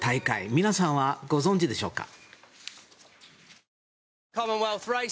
皆さんはご存じでしょうか。